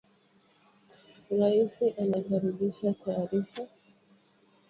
Rais anakaribisha taarifa